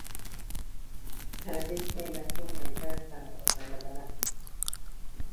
Henrik német-római császár adománylevele.